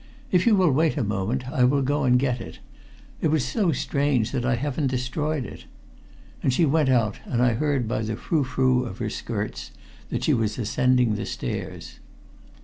If you will wait a moment I will go and get it. It was so strange that I haven't destroyed it." And she went out, and I heard by the frou frou of her skirts that she was ascending the stairs.